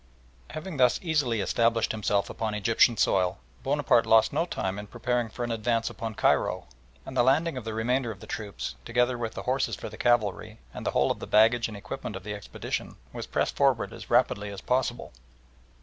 Having thus easily established himself upon Egyptian soil, Bonaparte lost no time in preparing for an advance upon Cairo, and the landing of the remainder of the troops, together with the horses for the cavalry, and the whole of the baggage and equipment of the expedition, was pressed forward as rapidly as possible.